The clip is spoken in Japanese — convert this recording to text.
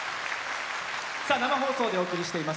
生放送でお送りしています